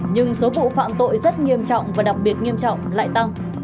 nhưng số vụ phạm tội rất nghiêm trọng và đặc biệt nghiêm trọng lại tăng